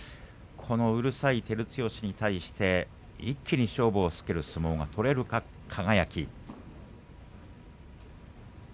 うるさい照強に対して、一気に勝負をつける相撲が取れるか輝。